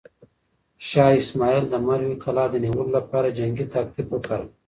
شاه اسماعیل د مروې کلا د نیولو لپاره جنګي تاکتیک وکاراوه.